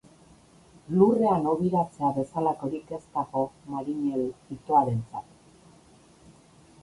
Lurrean hobiratzea bezalakorik ez dago marinel itoarentzat.